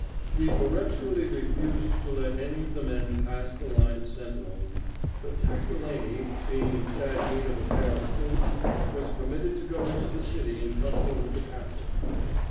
We peremptorily refused to let any of the men pass the line of sentinels, but Jack Delaney, being in sad need of a pair of boots, was permitted to go into the city in company with the captain.